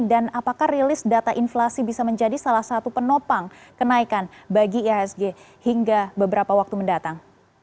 dan apakah rilis data inflasi bisa menjadi salah satu penopang kenaikan bagi ihsg hingga beberapa waktu mendatang